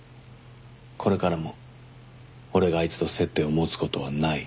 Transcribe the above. これからも俺があいつと接点を持つ事はない。